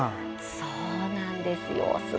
そうなんです。